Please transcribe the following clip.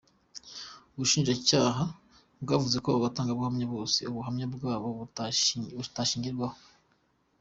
Ubushinjacyaha bwavuze abo batangabuhamya bose ubuhamya bwabo butashingirwaho.